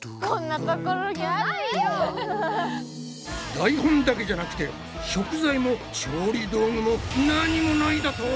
台本だけじゃなくて食材も調理道具も何もないだと！？